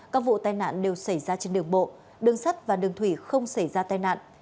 các vụ tai nạn đều xảy ra trên đường bộ đường sắt và đường thủy không xảy ra tai nạn